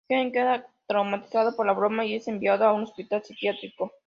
Kenny queda traumatizado por la broma y es enviado a un hospital psiquiátrico.